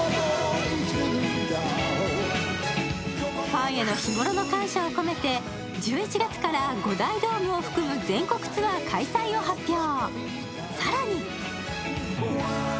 ファンへの日頃の感謝を込めて１１月から５大ドームを含む全国ツアー開催を発表。